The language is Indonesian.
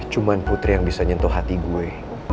cuma putri yang bisa nyentuh hati gue